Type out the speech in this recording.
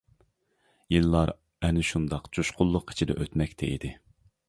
يىللار ئەنە شۇنداق جۇشقۇنلۇق ئىچىدە ئۆتمەكتە ئىدى.